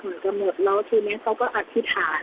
น้องโฆษฐ์หมดและทีนี้เค้าก็อธิษฐาน